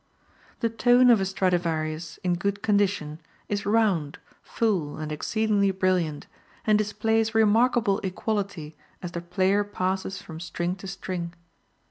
The tone of a Stradivarius, in good condition, is round, full and exceedingly brilliant, and displays remarkable equality as the player passes from string to string.